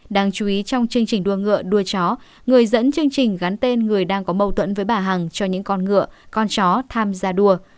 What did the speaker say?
đáng chú ý trong chương trình đua ngựa đua chó người dẫn chương trình gắn tên người đang có mâu thuẫn với bà hằng cho những con ngựa con chó tham gia đua